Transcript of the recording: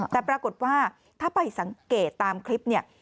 แต่ปรากฏว่าถ้าไปสังเกตตามคลิปเนี่ย